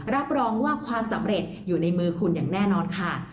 รับรองว่าความสำเร็จอยู่ในมือคุณอย่างแน่นอนค่ะ